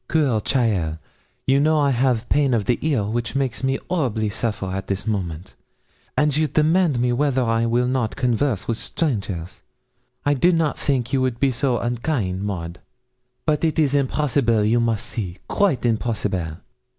'Cruel cheaile! you know I have a pain of the ear which makes me 'orribly suffer at this moment, and you demand me whether I will not converse with strangers. I did not think you would be so unkain, Maud; but it is impossible, you must see quite impossible.